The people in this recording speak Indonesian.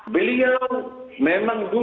beliau memang dulu